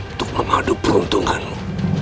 untuk mengadu peruntunganmu